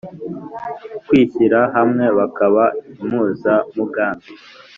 kwishyira hamwe bakaba impuzamugambi